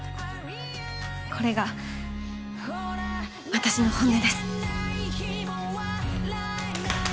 これが私の本音です。